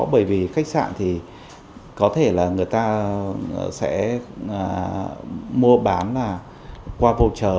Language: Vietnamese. bởi vì khách sạn thì có thể là người ta sẽ mua bán là qua vô trờ